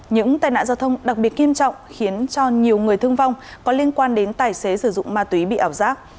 những tai nạn giao thông đặc biệt nghiêm trọng khiến cho nhiều người thương vong có liên quan đến tài xế sử dụng ma túy bị ảo giác